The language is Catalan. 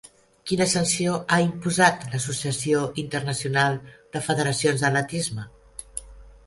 Quina sanció ha imposat l'Associació Internacional de Federacions d'Atletisme?